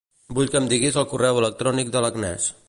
Vull que em diguis el correu electrònic de l'Agnès.